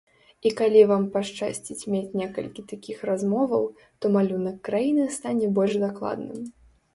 І калі вам пашчасціць мець некалькі такіх размоваў, то малюнак краіны стане больш дакладным.